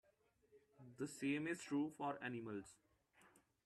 The same is true for animals.